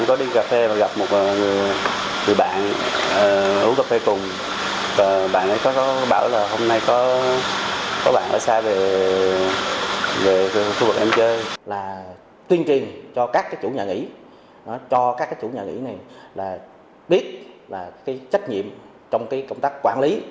ở xa về khu vực em chơi là tuyên truyền cho các chủ nhà nghỉ cho các chủ nhà nghỉ biết trách nhiệm trong công tác quản lý